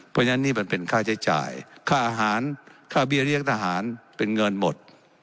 เพราะฉะนั้นนี่มันเป็นค่าใช้จ่ายค่าอาหารค่าเบี้ยเลี้ยงทหารเป็นเงินหมด